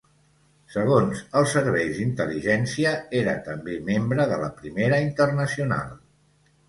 Segons els serveis d'intel·ligència, era també membre de la Primera Internacional.